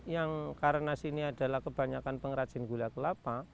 yang karena sini adalah kebanyakan pengrajin gula kelapa